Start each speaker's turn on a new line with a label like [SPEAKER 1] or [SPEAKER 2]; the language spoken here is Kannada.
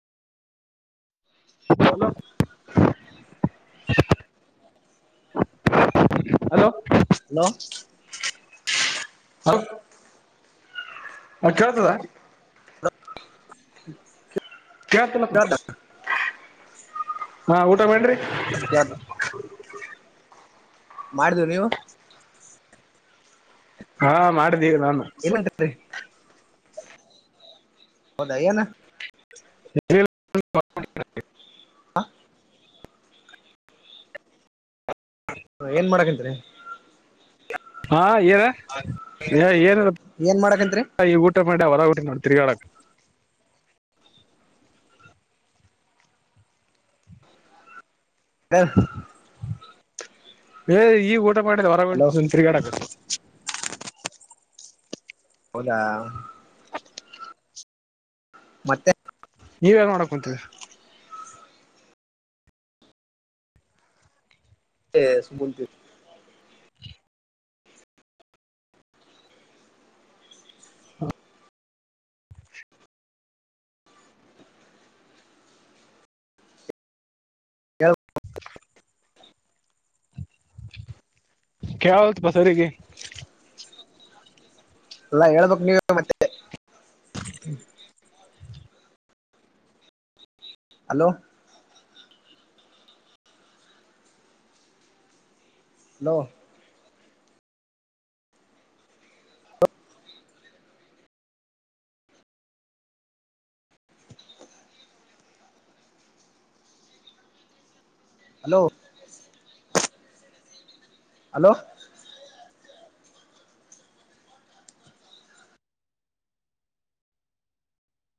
[SPEAKER 1] ಹಲೋ
[SPEAKER 2] ಹಲೋ
[SPEAKER 1] ಹಲೋ ಹಲೋ ಕೇಳ್ತತದ್ದ
[SPEAKER 2] [inaudible]
[SPEAKER 1] ಕೇಳಿಸ್ತಿಲ್ಲ
[SPEAKER 2] ಕೇಳ್ದ
[SPEAKER 1] ಊಟ ಮಾಡ್ರಿ
[SPEAKER 2] [inaudible]
[SPEAKER 1] [inaudible]
[SPEAKER 2] ಮಾಡ್ದ ನೀವು
[SPEAKER 1] ಹಾ ಮಾಡಿದ್ದೀ ನಾನು
[SPEAKER 2] ಮತ್ತೆ ಏನು
[SPEAKER 1] [unintelligible]
[SPEAKER 2] ಹ ಹ ಏನ್ ಮಾಡಕಂತರಿ
[SPEAKER 1] ಹಾ ಏನು ಹಾ ಏನು
[SPEAKER 2] ಏನ್ ಮಾಡಕಂತ್ರಿ
[SPEAKER 1] ಹೊರ ಹೊಂಟೀನಿ ನೋಡು ತಿರ್ಗಾಡೋಕೆ
[SPEAKER 2] [unintelligible]
[SPEAKER 1] ಏ ಈಗ ಊಟ ಮಾಡದ ಹೊರಗ
[SPEAKER 2] ಹಲೋ
[SPEAKER 1] ಹೋಟಿಯೇ ತಿರುಗಾಡಕು
[SPEAKER 2] ಹೌದಾ ಮತ್ತೆ
[SPEAKER 1] ನೀವೇನ್ ಮಾಡಕ್ಕುಂತೀರೀ
[SPEAKER 2] ಕೂತಿದೆ ಹೇಳು
[SPEAKER 1] [inaudible] ಕೇಳದಪ್ಪ ಸರಿಯಾಗಿ
[SPEAKER 2] ಅಲ್ಲಾ ಹೇಳಬೇಕು ನೀವು ಮತ್ತೆ ಹಲೋ ಹಲೋ ಹಲೋ ಹಲೋ